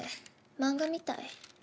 漫画みたい。